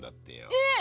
えっ！？